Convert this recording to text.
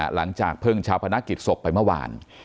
หลังจากเพิ่งชาวพนักกิจศพไปเมื่อวาน